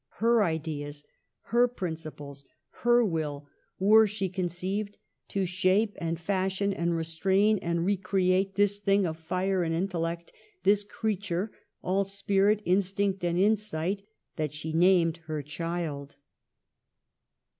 Her ideas, her principles, her will, were, she conceived, to shape and fashion, restrain and re create, this thing of fire and intellect, this creature all spirit, instinct and insight, that she named her child.